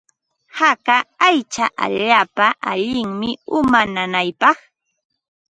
Haka aycha allaapa allinmi uma nanaypaq.